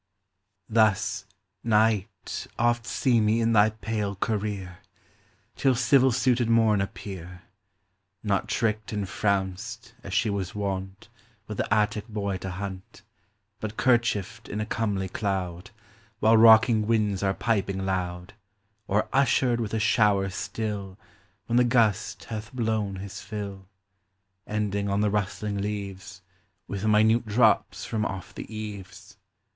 Thus, Night, oft see me in thy pale career, Till civil suited Morn appear, — Not tricked and frounced, as she was wont With the Attic boy to hunt, But kerchiefed in a comely cloud, While rocking winds are piping loud, Or ushered with a shower still When the gust hath blown his fill, Ending on the rustling leaves, Witli minute drops from off the eaves.